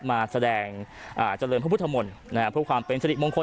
มาแสดงเจริญพระพุทธมนตร์เพื่อความเป็นสิริมงคล